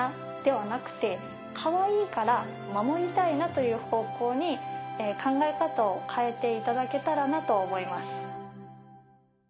という方向に考え方を変えていただけたらなと思います。